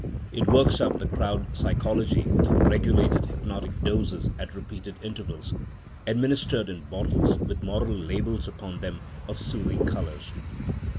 It works up the crowd psychology through regulated hypnotic doses at repeated intervals, administered in bottles with moral labels upon them of soothing colours.